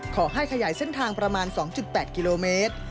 ขยายเส้นทางประมาณ๒๘กิโลเมตร